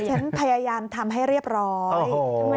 ฉันพยายามทำให้เรียบร้อย